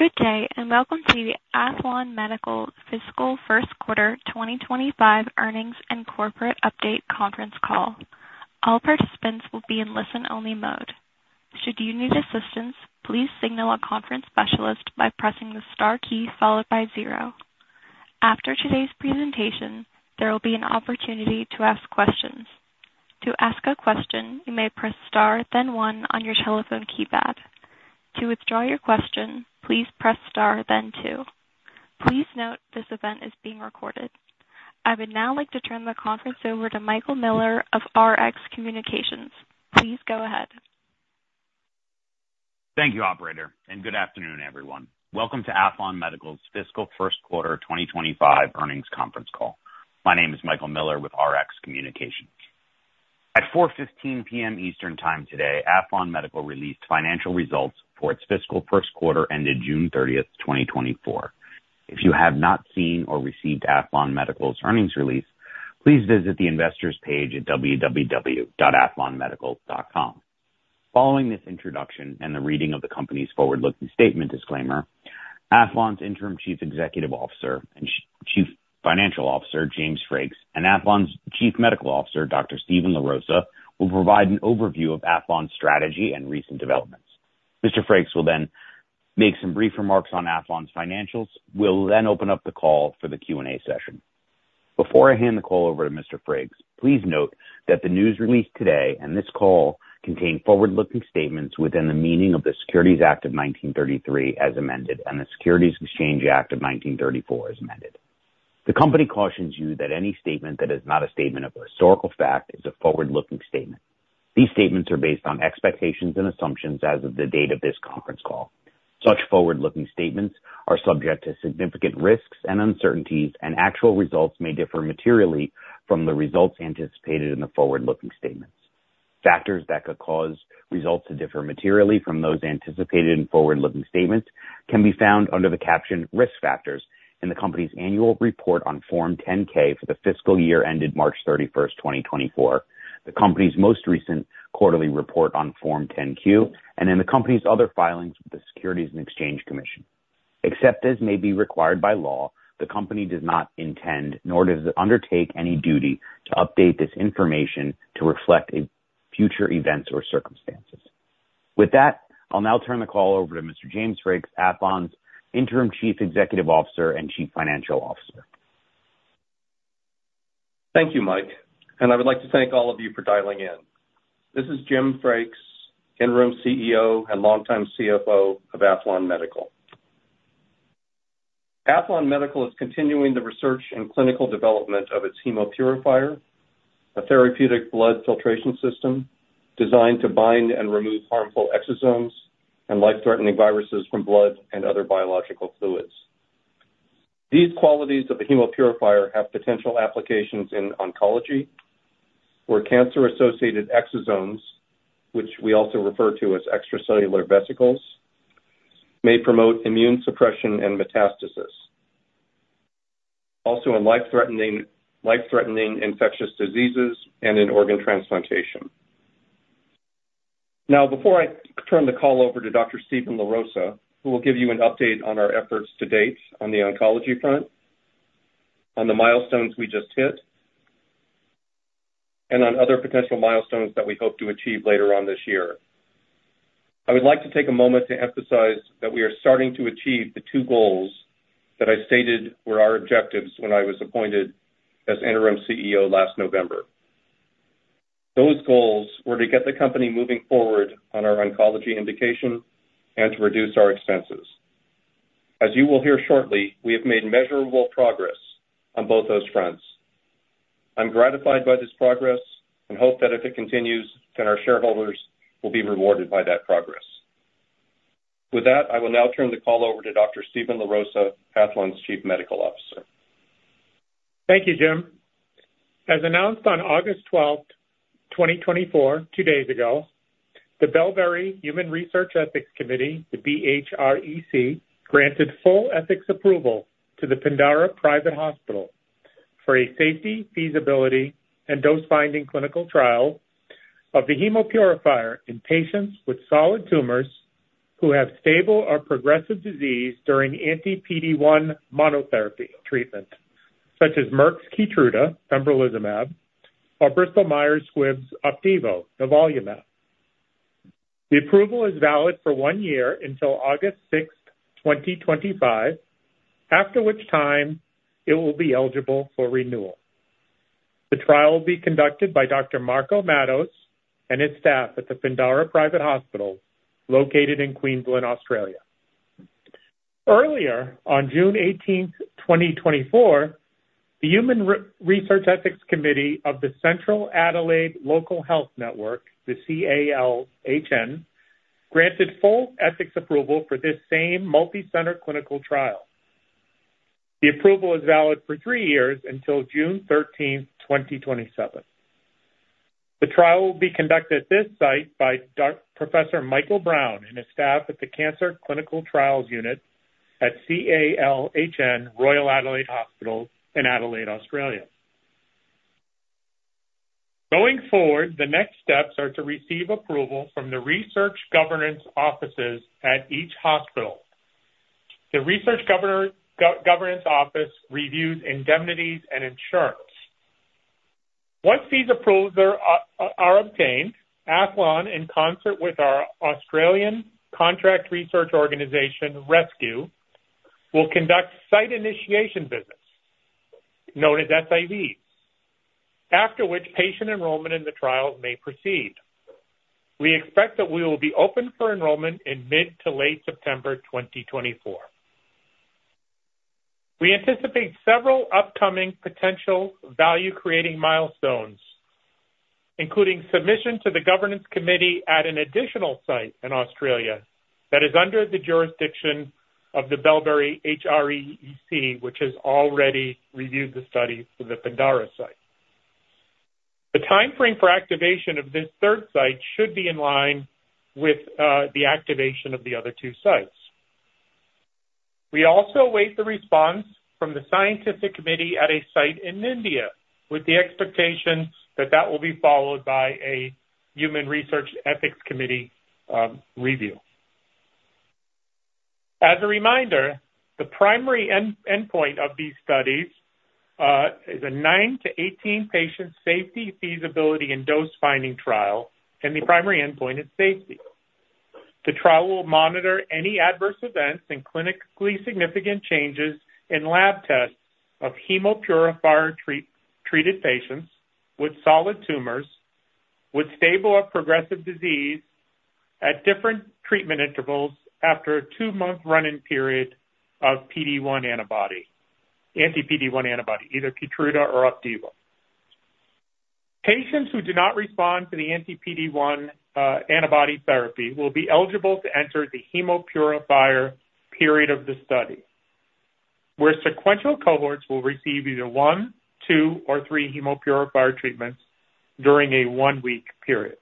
Good day, and welcome to the Aethlon Medical Fiscal First Quarter 2025 Earnings and Corporate Update Conference Call. All participants will be in listen-only mode. Should you need assistance, please signal a conference specialist by pressing the star key followed by zero. After today's presentation, there will be an opportunity to ask questions. To ask a question, you may press Star, then one on your telephone keypad. To withdraw your question, please press Star, then two. Please note, this event is being recorded. I would now like to turn the conference over to Michael Miller of Rx Communications. Please go ahead. Thank you, operator, and good afternoon, everyone. Welcome to Aethlon Medical's fiscal first quarter 2025 earnings conference call. My name is Michael Miller with Rx Communications. At 4:15 P.M. Eastern Time today, Aethlon Medical released financial results for its fiscal first quarter, ended June 30, 2024. If you have not seen or received Aethlon Medical's earnings release, please visit the investors page at www.aethlonmedical.com. Following this introduction and the reading of the company's forward-looking statement disclaimer, Aethlon's Interim Chief Executive Officer and Chief Financial Officer, James Frakes, and Aethlon's Chief Medical Officer, Dr. Steven LaRosa, will provide an overview of Aethlon's strategy and recent developments. Mr. Frakes will then make some brief remarks on Aethlon's financials. We'll then open up the call for the Q&A session. Before I hand the call over to Mr. Frakes, please note that the news release today and this call contain forward-looking statements within the meaning of the Securities Act of 1933 as amended, and the Securities Exchange Act of 1934, as amended. The company cautions you that any statement that is not a statement of historical fact is a forward-looking statement. These statements are based on expectations and assumptions as of the date of this conference call. Such forward-looking statements are subject to significant risks and uncertainties, and actual results may differ materially from the results anticipated in the forward-looking statements. Factors that could cause results to differ materially from those anticipated in forward-looking statements can be found under the caption Risk Factors in the company's annual report on Form 10-K for the fiscal year ended March 31, 2024, the company's most recent quarterly report on Form 10-Q, and in the company's other filings with the Securities and Exchange Commission. Except as may be required by law, the company does not intend nor does it undertake any duty to update this information to reflect a future events or circumstances. With that, I'll now turn the call over to Mr. James Frakes, Aethlon's Interim Chief Executive Officer and Chief Financial Officer. Thank you, Mike, and I would like to thank all of you for dialing in. This is Jim Frakes, Interim CEO and longtime CFO of Aethlon Medical. Aethlon Medical is continuing the research and clinical development of its Hemopurifier, a therapeutic blood filtration system designed to bind and remove harmful exosomes and life-threatening viruses from blood and other biological fluids. These qualities of the Hemopurifier have potential applications in oncology, where cancer-associated exosomes, which we also refer to as extracellular vesicles, may promote immune suppression and metastasis. Also, in life-threatening, life-threatening infectious diseases and in organ transplantation. Now, before I turn the call over to Dr. Steven LaRosa, who will give you an update on our efforts to date on the oncology front, on the milestones we just hit, and on other potential milestones that we hope to achieve later on this year. I would like to take a moment to emphasize that we are starting to achieve the two goals that I stated were our objectives when I was appointed as Interim CEO last November. Those goals were to get the company moving forward on our oncology indication and to reduce our expenses. As you will hear shortly, we have made measurable progress on both those fronts. I'm gratified by this progress and hope that if it continues, then our shareholders will be rewarded by that progress. With that, I will now turn the call over to Dr. Steven LaRosa, Aethlon's Chief Medical Officer. Thank you, Jim. As announced on August 12, 2024, two days ago, the Bellberry Human Research Ethics Committee, the BHREC, granted full ethics approval to the Pindara Private Hospital for a safety, feasibility, and dose-finding clinical trial of the Hemopurifier in patients with solid tumors who have stable or progressive disease during anti-PD-1 monotherapy treatment, such as Merck's Keytruda, pembrolizumab, or Bristol Myers Squibb's Opdivo, nivolumab. The approval is valid for one year until August 6, 2025, after which time it will be eligible for renewal. The trial will be conducted by Dr. Marco Matos and his staff at the Pindara Private Hospital, located in Queensland, Australia. Earlier, on June 18, 2024, the Human Research Ethics Committee of the Central Adelaide Local Health Network, the CALHN, granted full ethics approval for this same multi-center clinical trial. The approval is valid for three years until June 13, 2027. The trial will be conducted at this site by Professor Michael Brown and his staff at the Cancer Clinical Trials Unit at CALHN, Royal Adelaide Hospital in Adelaide, Australia. Going forward, the next steps are to receive approval from the research governance offices at each hospital. The research governance office reviews indemnities and insurance. Once these approvals are obtained, Aethlon, in concert with our Australian Contract Research Organization, ResQ, will conduct site initiation visits, known as SIVs, after which patient enrollment in the trial may proceed. We expect that we will be open for enrollment in mid- to late September 2024. We anticipate several upcoming potential value-creating milestones, including submission to the governance committee at an additional site in Australia that is under the jurisdiction of the Bellberry HREC, which has already reviewed the study for the Pindara site. The timeframe for activation of this third site should be in line with the activation of the other two sites. We also await the response from the scientific committee at a site in India, with the expectation that that will be followed by a human research ethics committee review. As a reminder, the primary endpoint of these studies is a 9- to 18-patient safety, feasibility, and dose-finding trial, and the primary endpoint is safety. The trial will monitor any adverse events and clinically significant changes in lab tests of Hemopurifier-treated patients with solid tumors, with stable or progressive disease at different treatment intervals after a 2-month run-in period of PD-1 antibody, anti-PD-1 antibody, either Keytruda or Opdivo. Patients who do not respond to the anti-PD-1 antibody therapy will be eligible to enter the Hemopurifier period of the study, where sequential cohorts will receive either 1, 2, or 3 Hemopurifier treatments during a 1-week period.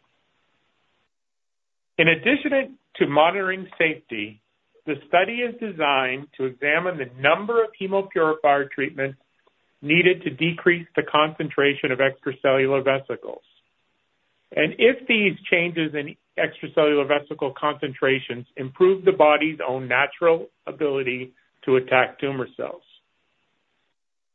In addition to monitoring safety, the study is designed to examine the number of Hemopurifier treatments needed to decrease the concentration of extracellular vesicles, and if these changes in extracellular vesicle concentrations improve the body's own natural ability to attack tumor cells.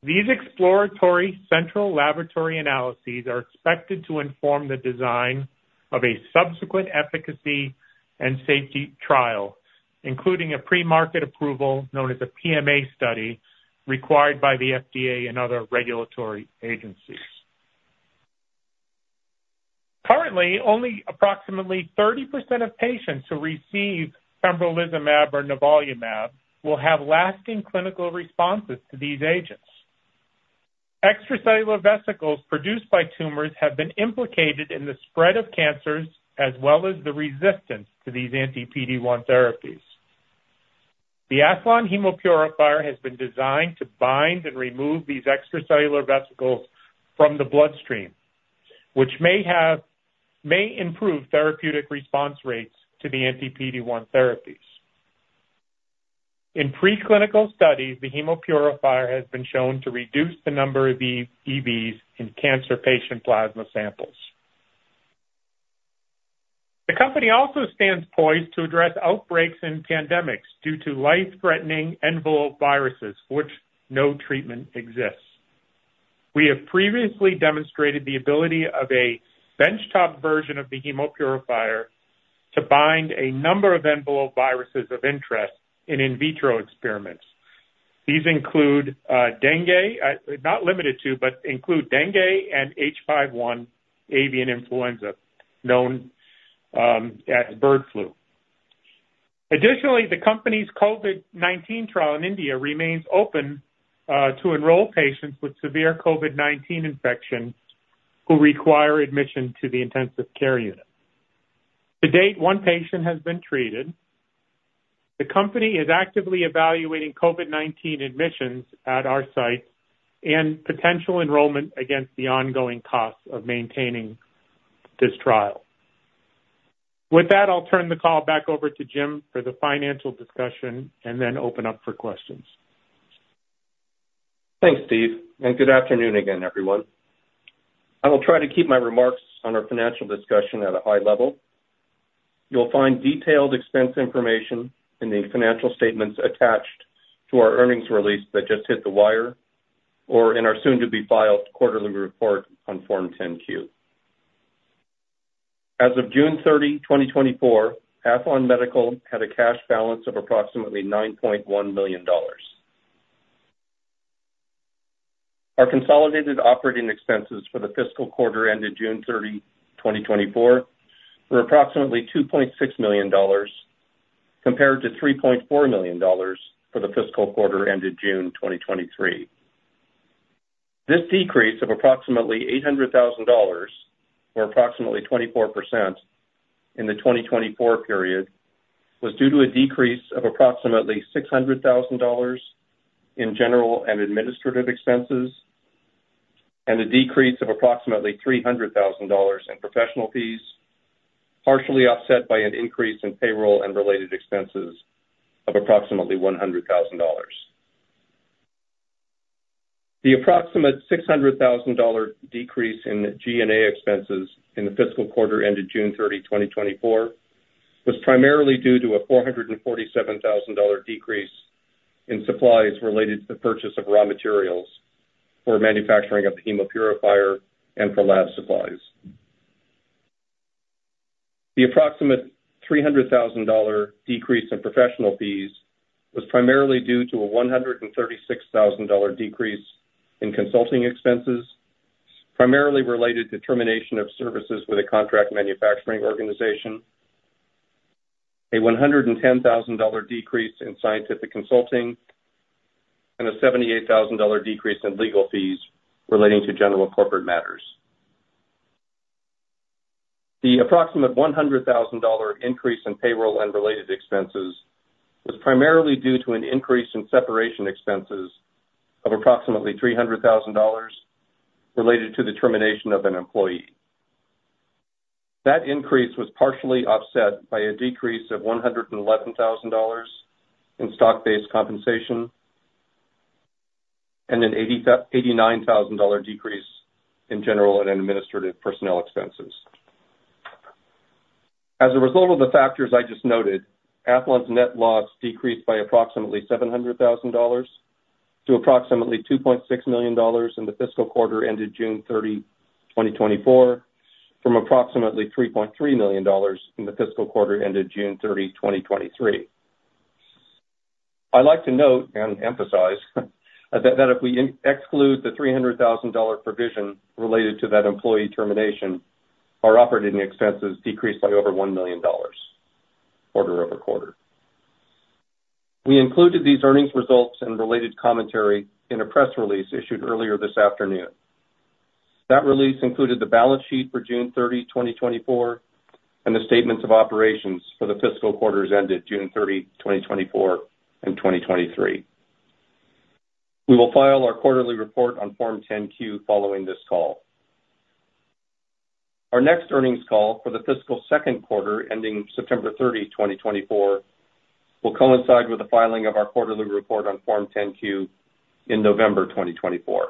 These exploratory central laboratory analyses are expected to inform the design of a subsequent efficacy and safety trial, including a pre-market approval known as a PMA study, required by the FDA and other regulatory agencies. Currently, only approximately 30% of patients who receive pembrolizumab or nivolumab will have lasting clinical responses to these agents. Extracellular vesicles produced by tumors have been implicated in the spread of cancers, as well as the resistance to these anti-PD-1 therapies. The Aethlon Hemopurifier has been designed to bind and remove these extracellular vesicles from the bloodstream, which may improve therapeutic response rates to the anti-PD-1 therapies. In preclinical studies, the Hemopurifier has been shown to reduce the number of these EVs in cancer patient plasma samples. The company also stands poised to address outbreaks and pandemics due to life-threatening enveloped viruses, for which no treatment exists. We have previously demonstrated the ability of a benchtop version of the Hemopurifier to bind a number of envelope viruses of interest in vitro experiments. These include, dengue, not limited to, but include dengue and H5N1 avian influenza, known as bird flu. Additionally, the company's COVID-19 trial in India remains open, to enroll patients with severe COVID-19 infections who require admission to the intensive care unit. To date, one patient has been treated. The company is actively evaluating COVID-19 admissions at our sites and potential enrollment against the ongoing costs of maintaining this trial. With that, I'll turn the call back over to Jim for the financial discussion and then open up for questions. Thanks, Steve, and good afternoon again, everyone. I will try to keep my remarks on our financial discussion at a high level. You'll find detailed expense information in the financial statements attached to our earnings release that just hit the wire, or in our soon-to-be-filed quarterly report on Form 10-Q. As of June 30, 2024, Aethlon Medical had a cash balance of approximately $9.1 million. Our consolidated operating expenses for the fiscal quarter ended June 30, 2024, were approximately $2.6 million, compared to $3.4 million for the fiscal quarter ended June 2023. This decrease of approximately $800,000, or approximately 24% in the 2024 period, was due to a decrease of approximately $600,000 in general and administrative expenses, and a decrease of approximately $300,000 in professional fees, partially offset by an increase in payroll and related expenses of approximately $100,000. The approximate $600,000 decrease in G&A expenses in the fiscal quarter ended June 30, 2024, was primarily due to a $447,000 decrease in supplies related to the purchase of raw materials for manufacturing of the Hemopurifier and for lab supplies. The approximate $300,000 decrease in professional fees was primarily due to a $136,000 decrease in consulting expenses, primarily related to termination of services with a contract manufacturing organization, a $110,000 decrease in scientific consulting, and a $78,000 decrease in legal fees relating to general corporate matters. The approximate $100,000 increase in payroll and related expenses was primarily due to an increase in separation expenses of approximately $300,000 related to the termination of an employee. That increase was partially offset by a decrease of $111,000 in stock-based compensation and an $89,000 decrease in general and administrative personnel expenses. As a result of the factors I just noted, Aethlon's net loss decreased by approximately $700,000 to approximately $2.6 million in the fiscal quarter ended June 30, 2024, from approximately $3.3 million in the fiscal quarter ended June 30, 2023. I'd like to note and emphasize that if we exclude the $300,000 provision related to that employee termination, our operating expenses decreased by over $1 million quarter-over-quarter. We included these earnings results and related commentary in a press release issued earlier this afternoon. That release included the balance sheet for June 30, 2024, and the statements of operations for the fiscal quarters ended June 30, 2024, and 2023. We will file our quarterly report on Form 10-Q following this call. Our next earnings call for the fiscal second quarter, ending September 30, 2024, will coincide with the filing of our quarterly report on Form 10-Q in November 2024.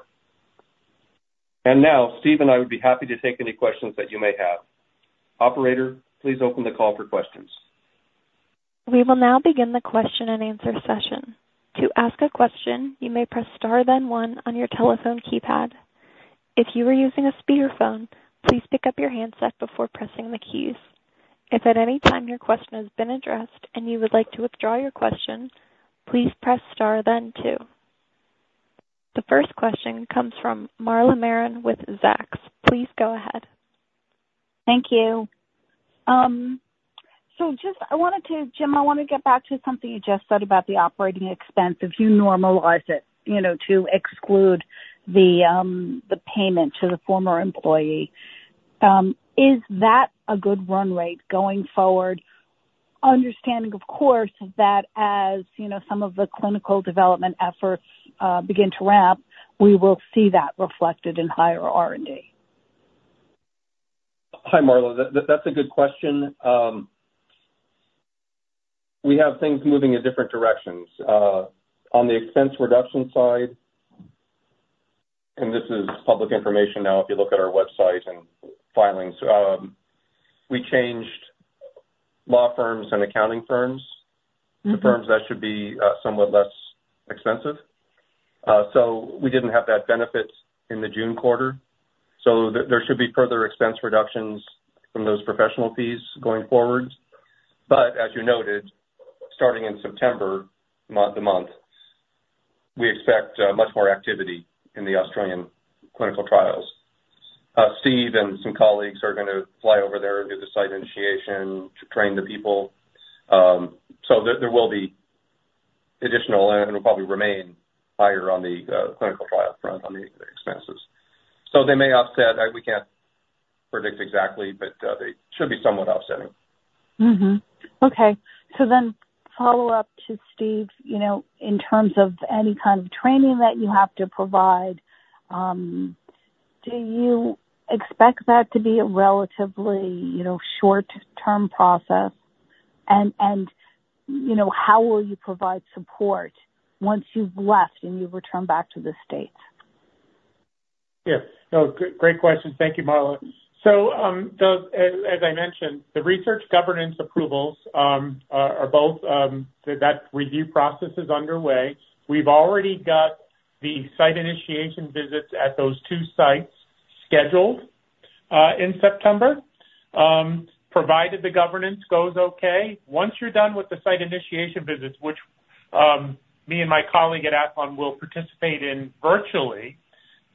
And now, Steve and I would be happy to take any questions that you may have. Operator, please open the call for questions. We will now begin the question and answer session. To ask a question, you may press star, then one on your telephone keypad. If you are using a speakerphone, please pick up your handset before pressing the keys. If at any time your question has been addressed and you would like to withdraw your question, please press star then two. The first question comes from Marla Marin with Zacks. Please go ahead. Thank you. So, I want to get back to something you just said about the operating expense. If you normalize it, you know, to exclude the payment to the former employee, is that a good run rate going forward? Understanding, of course, that as, you know, some of the clinical development efforts begin to ramp, we will see that reflected in higher R&D. Hi, Marla. That's a good question. We have things moving in different directions. On the expense reduction side, and this is public information now, if you look at our website and filings, we changed law firms and accounting firms. Mm-hmm. To firms that should be somewhat less expensive. So we didn't have that benefit in the June quarter, so there should be further expense reductions from those professional fees going forward. But as you noted, starting in September, month to month, we expect much more activity in the Australian clinical trials. Steve and some colleagues are gonna fly over there and do the site initiation to train the people. So there will be additional, and it'll probably remain higher on the clinical trial front on the expenses. So they may offset. We can't predict exactly, but they should be somewhat offsetting. Mm-hmm. Okay, so then follow up to Steve. You know, in terms of any kind of training that you have to provide, do you expect that to be a relatively, you know, short-term process? And you know, how will you provide support once you've left and you've returned back to the States? Yeah. No, great question. Thank you, Marla. So, as I mentioned, the research governance approvals are both that review process is underway. We've already got the site initiation visits at those two sites scheduled in September, provided the governance goes okay. Once you're done with the site initiation visits, which me and my colleague at Aethlon will participate in virtually,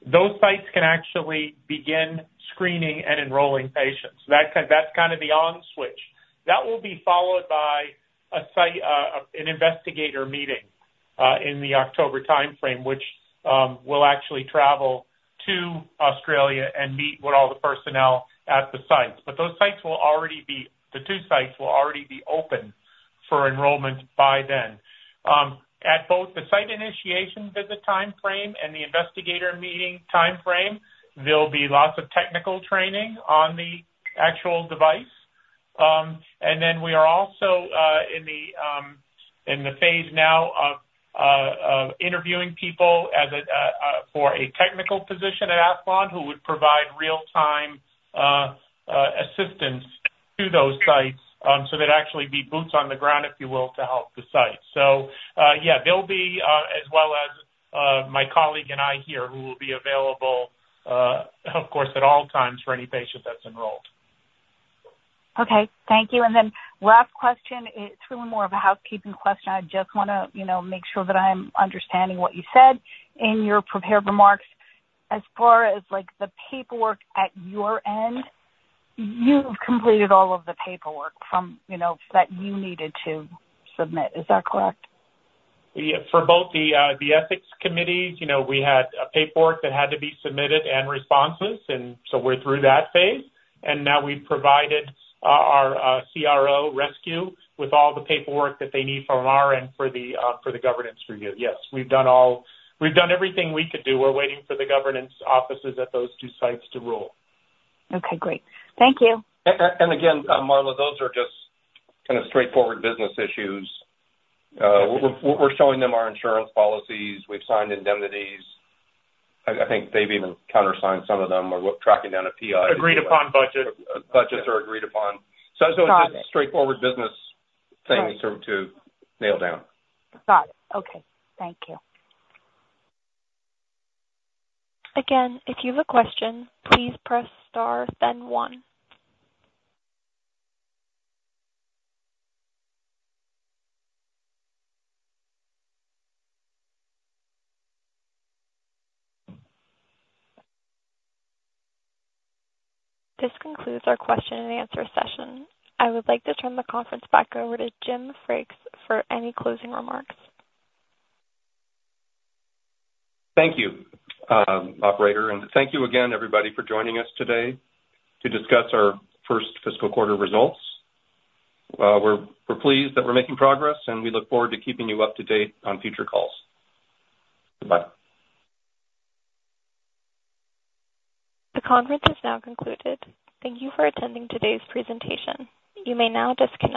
those sites can actually begin screening and enrolling patients. That's kind of the on switch. That will be followed by a site investigator meeting in the October timeframe, which we'll actually travel to Australia and meet with all the personnel at the sites. But those sites will already be... The two sites will already be open for enrollment by then. At both the site initiation visit timeframe and the investigator meeting timeframe, there'll be lots of technical training on the actual device.... And then we are also in the phase now of interviewing people for a technical position at Aethlon, who would provide real-time assistance to those sites, so they'd actually be boots on the ground, if you will, to help the site. So, yeah, they'll be, as well as my colleague and I here, who will be available, of course, at all times for any patient that's enrolled. Okay, thank you. Then last question, it's really more of a housekeeping question. I just wanna, you know, make sure that I'm understanding what you said in your prepared remarks. As far as, like, the paperwork at your end, you've completed all of the paperwork from, you know, that you needed to submit. Is that correct? Yeah. For both the ethics committees, you know, we had paperwork that had to be submitted and responses, and so we're through that phase, and now we've provided our CRO, ResQ with all the paperwork that they need from our end for the governance review. Yes, we've done all. We've done everything we could do. We're waiting for the governance offices at those two sites to rule. Okay, great. Thank you. And again, Marla, those are just kind of straightforward business issues. We're showing them our insurance policies. We've signed indemnities. I think they've even counter-signed some of them or we're tracking down a PI. Agreed upon budget. Budgets are agreed upon. Got it. So it's just straightforward business things- Right. to, to nail down. Got it. Okay. Thank you. Again, if you have a question, please press star, then one. This concludes our question and answer session. I would like to turn the conference back over to Jim Frakes for any closing remarks. Thank you, operator, and thank you again everybody for joining us today to discuss our first fiscal quarter results. We're pleased that we're making progress, and we look forward to keeping you up to date on future calls. Bye. The conference is now concluded. Thank you for attending today's presentation. You may now disconnect.